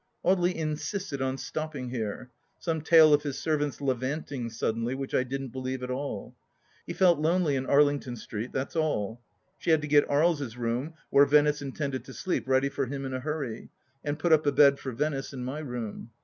Audely insisted on stopping here — some tale of his servant's levanting suddenly, which I didn't believe a bit. He felt lonely in Arlington Street, that's all. She had to get Aries' room, where Venice intended to sleep, ready for him in a hurry, and put up a bed for Venice in my room.